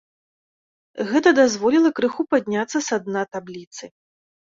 Гэта дазволіла крыху падняцца са дна табліцы.